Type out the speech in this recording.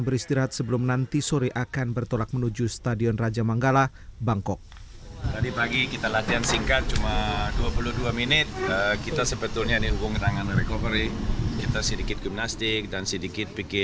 beristirahat sebelum nanti sore akan bertolak menuju stadion raja manggala bangkok